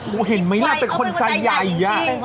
กูเห็นไหม่นาเป็นคนใจใหญ่